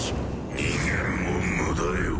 逃げるも無駄よ。